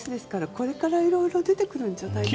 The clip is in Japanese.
これからいろいろ出てくるんじゃないかなって。